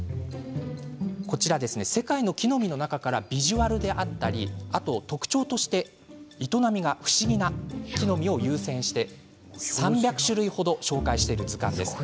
世界の木の実の中からビジュアルや特徴として営みが不思議な木の実を優先して３００種類程ご紹介している図鑑です。